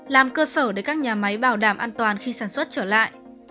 làm cơ sở để các nhà máy bảo đảm an toàn khi sản xuất trở lại